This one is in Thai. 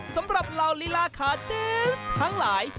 สำหรับเหล่าลีลาขาดินส์ทั้งหลาย